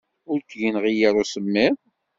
Ur k-yenɣi usemmiḍ.